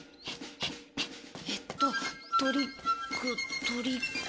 えっとトリックトリック？